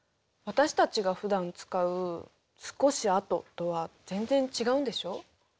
私たちがふだん使う「少しあと」とは全然違うんでしょう。